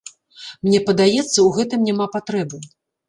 Мне падаецца, у гэтым няма патрэбы.